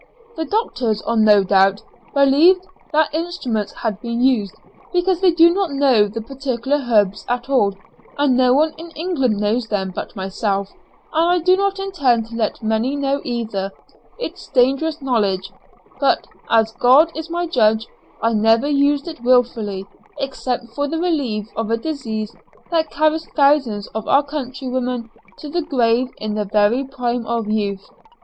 The doctors, no doubt, believed that instruments had been used, because they do not know the particular herbs at all, and no one in England knows them but myself and I do not intend to let many know either it's dangerous knowledge; but, as God is my judge, I never used it wilfully except for the relief of a disease that carries thousands of our countrywomen to the grave in the very prime of youth.